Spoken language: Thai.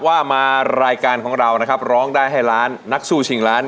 ว่ามารายการของเรานะครับร้องได้ให้ล้านนักสู้ชิงล้าน